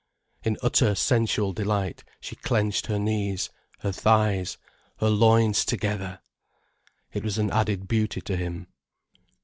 In utter sensual delight she clenched her knees, her thighs, her loins together! It was an added beauty to him.